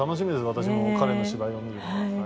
私も彼の芝居を見るのが。